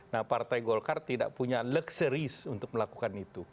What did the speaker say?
nah partai golkar tidak punya lekseris untuk melakukan itu